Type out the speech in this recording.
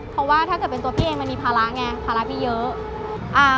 เพราะว่าถ้าเกิดเป็นตัวพี่เองมันมีภาระไงภาระพี่เยอะ